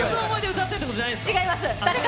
歌ってってことじゃないんですか。